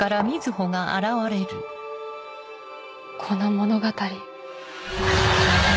この物語。